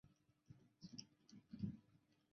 后考入南京师范学院数学系。